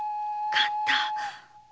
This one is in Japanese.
勘太。